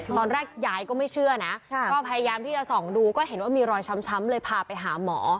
ตอนแรกยายก็ไม่เชื่อนะก็พยายามที่จะส่องดูก็เห็นว่ามีรอยช้ำเลยพาไปหาหมอ